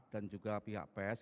dan juga pihak pers